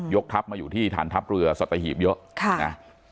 กทัพมาอยู่ที่ฐานทัพเรือสัตหีบเยอะนะ